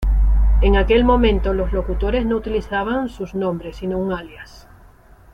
En aquel momento los locutores no utilizaban sus nombres sino un alias.